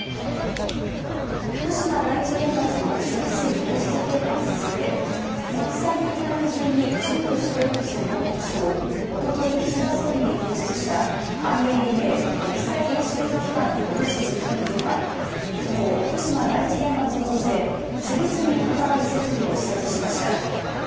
福島第一原発の処理水放出計画について国際的な基準に準拠しているとする報告書をおととい岸田総理に提出したＩＡＥＡ＝国際原子力機関のグロッシ事務局長は昨日、福島第一原発を訪れ処理水に関わる設備を視察しました。